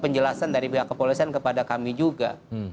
penjelasan dari pihak kepolisian kepada kami juga